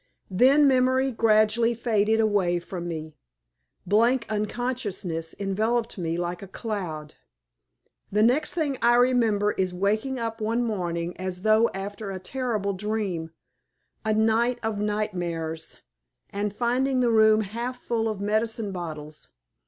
Then memory gradually faded away from me. Blank unconsciousness enveloped me like a cloud. The next thing I remember is waking up one morning as though after a terrible dream, a night of nightmares, and finding the room half full of medicine bottles.